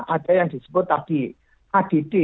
ada yang disebut tadi add